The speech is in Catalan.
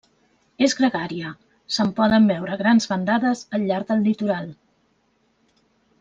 És gregària: se'n poden veure grans bandades al llarg del litoral.